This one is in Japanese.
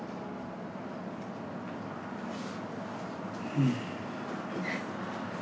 うん。